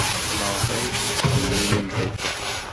Maɣef ay tettxemmimemt akka?